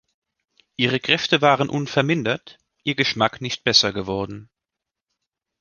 ‚Ihre Kräfte waren unvermindert, ihr Geschmack nicht besser geworden.